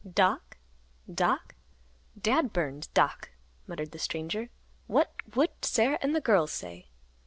"Doc—Doc—Dad burned—Doc," muttered the stranger. "What would Sarah and the girls say!"